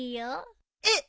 えっ！？